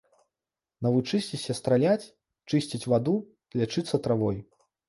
Навучыцеся страляць, чысціць ваду, лячыцца травой.